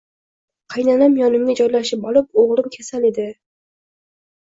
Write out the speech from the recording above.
Qaynanam yonimga joylashib olib, O`g`lim kasal edi